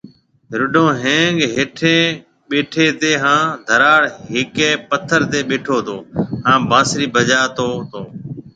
رڍون ۿينگ هيٺي ٻيٺي تي هان ڌراڙ هيڪي پٿر تي ٻيٺو تو هان بانسري بجاتو تو